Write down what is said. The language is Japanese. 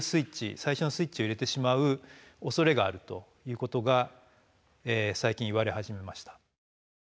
最初のスイッチを入れてしまうおそれがあるということが最近言われ始めました。